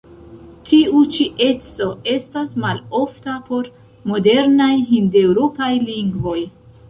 Tiu ĉi eco estas malofta por modernaj hindeŭropaj lingvoj.